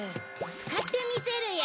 使ってみせるよ。